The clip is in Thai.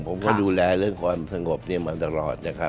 ผมก็ดูแลเรื่องความสงบมาตลอด